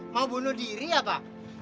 mau bunuh diri apa